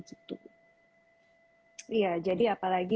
iya jadi apalagi